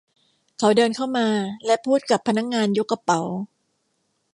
เขาเดินเข้ามาและพูดกับพนักงานยกกระเป๋า